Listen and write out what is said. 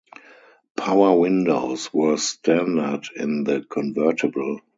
Power windows were standard in the convertible.